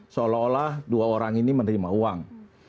seolah olah dua orang ini menerima uang